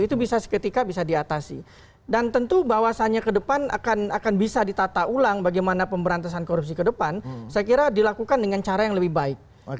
itu bisa seketika bisa diatasi dan tentu bahwasannya ke depan akan bisa ditata ulang bagaimana pemberantasan korupsi ke depan saya kira dilakukan dengan cara yang lebih baik